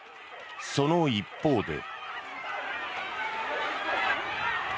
その一方で。